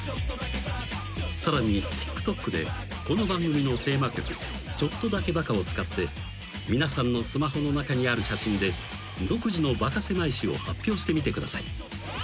［さらにＴｉｋＴｏｋでこの番組のテーマ曲『ちょっとだけバカ』を使って皆さんのスマホの中にある写真で独自のバカせまい史を発表してみてください］